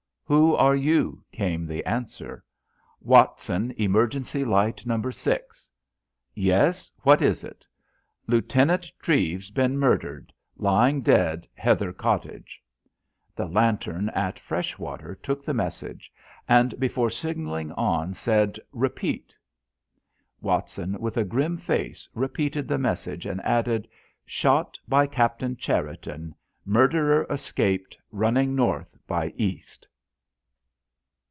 "Who are you?" came the answer. "Watson, emergency light number 6." "Yes, what is it?" "Lieutenant Treves been murdered. Lying dead Heather Cottage." The lantern at Freshwater took the message, and before signalling on said, "Repeat." Watson, with a grim face, repeated the message and added: "Shot by Captain Cherriton. Murderer escaped, running north by east."